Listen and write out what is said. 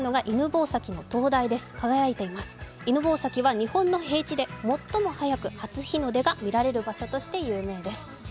犬吠埼は日本の平地で最も早く、初日の出が見られる場所として有名です。